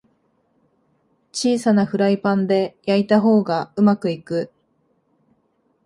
小さなフライパンで焼いた方がうまくいく